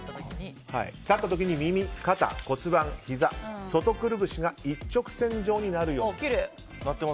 立った時に耳、肩、ひざ外くるぶしが一直線上になるように。